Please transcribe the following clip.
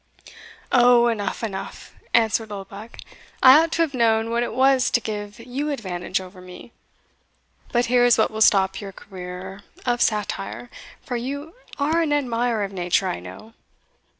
"O! enough, enough!" answered Oldbuck; "I ought to have known what it was to give you advantage over me But here is what will stop your career of satire, for you are an admirer of nature, I know."